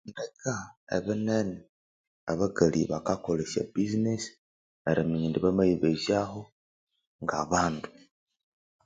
Ebihendeka ebinene abakali bakakolha esyobizinesi eriminyi ndi bamayibezyaho ngabandu